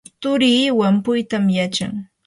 turii wampuytam yachan.